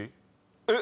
えっ？